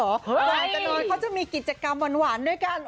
บ่ายจะนอนเขาจะมีกิจกรรมหวานด้วยกัน